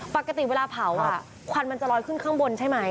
ปกติเวลาเผาควันมันจะลอยขึ้นข้างบนใช่ไหม